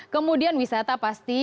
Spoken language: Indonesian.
kemudian wisata pasti